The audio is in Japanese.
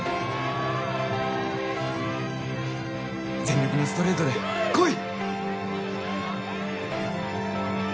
全力のストレートでこい！